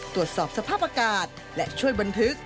ตรวจสอบสภาพอากาศและช่วยบันทึก